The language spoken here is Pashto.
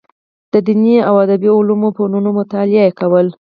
د دیني او ادبي علومو او فنونو مطالعه یې کوله.